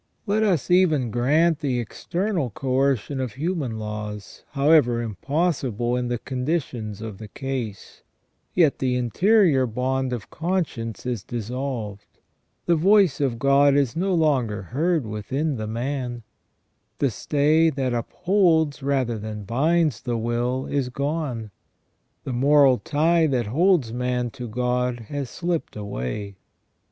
Let us even grant the external coercion of human laws, however impossible in the conditions of the case ; yet the interior bond of conscience is dissolved ; the voice of God is no longer heard within the man ; the stay that upholds rather than binds the will is gone ; the moral tie that holds man to God has slipped away; 138 SELF AND CONSCIENCE.